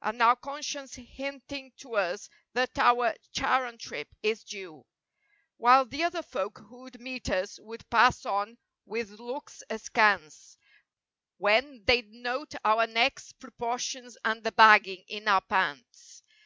And our conscience hinting to us that our Charon trip is due; While the other folk who'd meet us would pass on with looks askance When they'd note our neck's proportions and the bagging in our pants.